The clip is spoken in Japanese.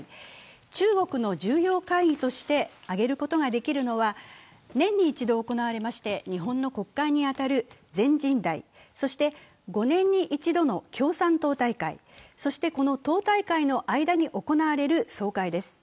中国の重要会議として挙げることができるのは年に１度行われまして、日本の国会に当たる全人代、そして５年に一度の共産党大会、そして、この党大会の間に行われる総会です。